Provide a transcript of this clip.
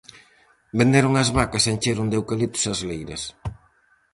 Venderon as vacas e encheron de eucaliptos as leiras.